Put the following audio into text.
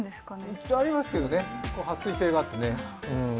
一応ありますけれどもね、はっ水性があってね。